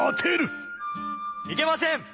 ・いけません！